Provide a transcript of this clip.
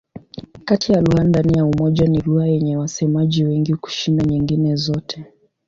Kati ya lugha ndani ya Umoja ni lugha yenye wasemaji wengi kushinda nyingine zote.